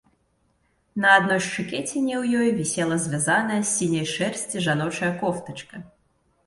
На адной шчыкеціне ў ёй вісела звязаная з сіняй шэрсці жаночая кофтачка.